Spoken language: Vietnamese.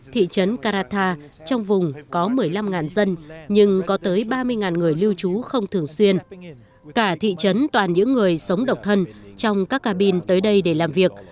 thị trấn carata trong vùng có một mươi năm dân nhưng có tới ba mươi người lưu trú không thường xuyên cả thị trấn toàn những người sống độc thân trong các cabin tới đây để làm việc